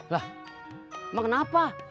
lah emang kenapa